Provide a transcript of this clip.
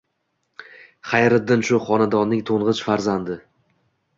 Xayriddin shu xonadonning to`ng`ich farzandi